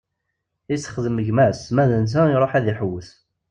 Isexdem gma-s, ma d netta iṛuḥ ad iḥewwes.